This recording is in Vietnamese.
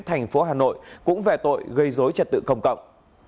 thành phố hà nội cũng về tội gây dối trật tự công cộng